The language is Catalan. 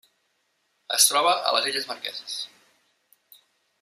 Es troba a les Illes Marqueses.